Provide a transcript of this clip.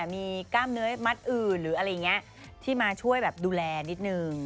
มีกล้ามเนื้อมัดอื่นหรืออะไรอย่างนี้ที่มาช่วยแบบดูแลนิดนึง